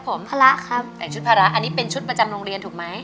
สวัสดีทุกท่านนะครับสวัสดีครับ